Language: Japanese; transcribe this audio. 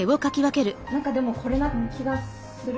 何かでもこれな気がする。